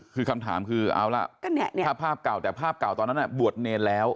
คือคำถามคือเอาล่ะถ้าภาพเก่าแต่ภาพเก่าตอนนั้นบวชเนรแล้ว